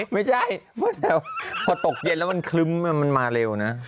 ไม่ใช่พอตกเย็นแล้วมันคลึ้มมันมาเร็วนะ